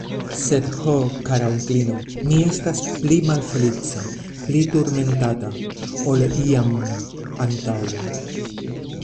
Sed, ho, kara onklino, mi estas pli malfeliĉa, pli turmentata, ol iam antaŭe.